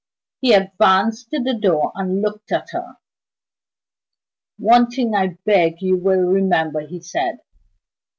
He advanced to the door, and looked at her. "One thing I beg you will remember," he said.